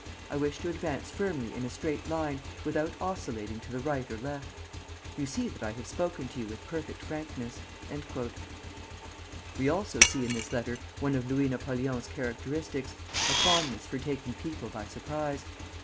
I wish to advance firmly in a straight line, without oscillating to the right or left. You see that I have spoken to you with perfect frankness." We also see in this letter one of Louis Napoleon's characteristics, a fondness for taking people by surprise.